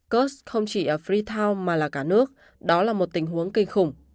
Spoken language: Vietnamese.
cớt không chỉ ở freetown mà là cả nước đó là một tình huống kinh khủng